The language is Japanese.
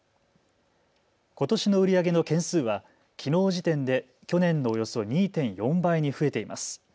ことしの売り上げの件数はきのうの時点で去年のおよそ２．４倍に増えています。